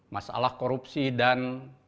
masalah korupsi dan